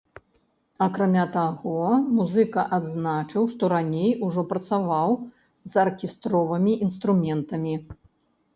Акрамя таго, музыка адзначыў, што раней ужо працаваў з аркестровымі інструментамі.